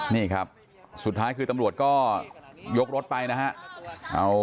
นี่ครับสุดท้ายคือตำรวจก็ยกรถไปนะฮะ